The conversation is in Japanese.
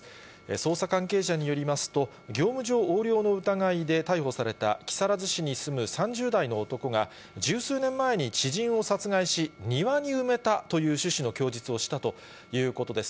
捜査関係者によりますと、業務上横領の疑いで逮捕された木更津市に住む３０代の男が、十数年前に知人を殺害し、庭に埋めたという趣旨の供述をしたということです。